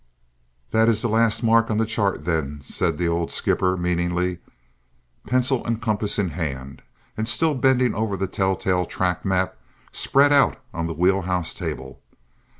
"That is the last mark on the chart, then?" said the old skipper meaningly, pencil and compass in hand, and still bending over the tell tale track map spread out on the wheel house table.